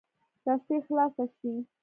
رسۍ خلاصه شي.